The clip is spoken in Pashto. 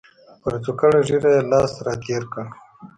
پر څوکړه ږیره یې لاس را تېر کړ.